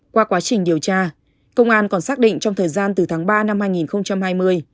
qua quá trình điều tra công an còn xác định trong thời gian từ tháng ba năm hai nghìn hai mươi